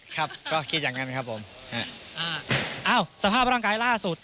ครับก็คิดอย่างงั้นครับผมฮะอ่าอ้าวสภาพร่างกายล่าสุด